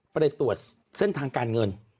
เขาถูกตรวจเส้นทางการเงิน